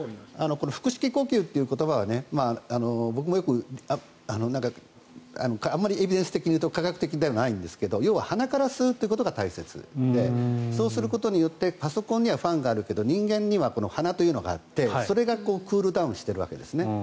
腹式呼吸という言葉は僕もよくあまりエビデンス的に言うと科学的ではないんですが要は鼻から吸うことが大切でそうすることによってパソコンにはファンがあるけど人間には鼻というのがあってそれがクールダウンしているわけですね。